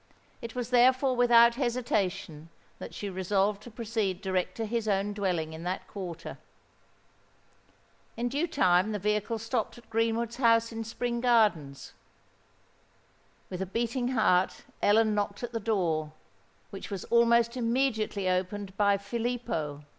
It was therefore without hesitation that she resolved to proceed direct to his own dwelling in that quarter. In due time the vehicle stopped at Greenwood's house in Spring Gardens. With a beating heart Ellen knocked at the door, which was almost immediately opened by Filippo.